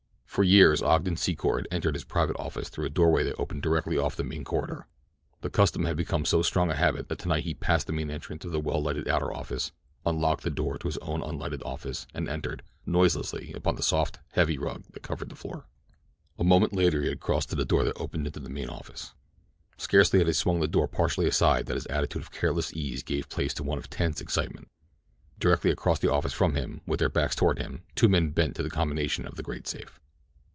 For years Ogden Secor had entered his private office through a doorway that opened directly off the main corridor. The custom had become so strong a habit that tonight he passed the main entrance of the well lighted outer office, unlocked the door to his own unlighted office and entered, noiselessly, upon the soft, heavy rug that covered the floor. A moment later he had crossed to the door that opened into the main office. Scarcely had he swung the door partially aside than his attitude of careless ease gave place to one of tense excitement. Directly across the office from him, with their backs toward him, two men bent to the combination of the great safe.